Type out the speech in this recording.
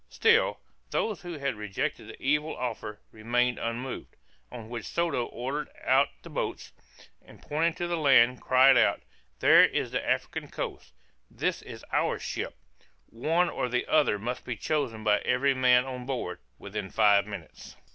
Still, those who had rejected the evil offer remained unmoved; on which Soto ordered out the boats, and pointing to the land, cried out, "There is the African coast; this is our ship one or the other must be chosen by every man on board within five minutes."